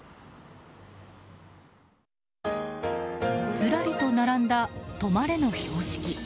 ずらりと並んだ「止まれ」の標識。